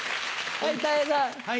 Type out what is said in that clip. はい。